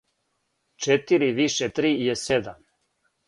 четири више три је седам